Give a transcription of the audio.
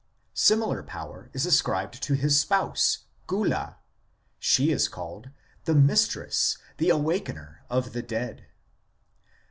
Similar power is ascribed to his spouse, Gula ; she is called " the Mistress, the awakener of the dead."